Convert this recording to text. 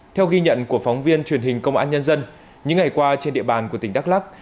theo ghi nhận của phóng viên truyền hình công an nhân dân những ngày qua trên địa bàn của tỉnh đắk lắc